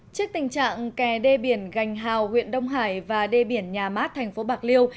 trước tình trạng kè đê biển gành hào huyện đông hải và đê biển nhà mát thành phố bạc liêu